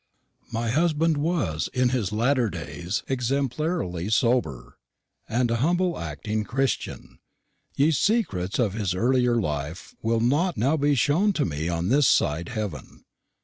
My husband was in his latter days exemplarily sober, and a humble acting Xtian. Ye secrets of his earlier life will not now be showne to me on this side heaven.